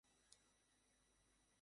পিছনে যা তুই!